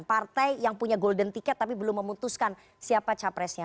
partai yang punya golden ticket tapi belum memutuskan siapa capresnya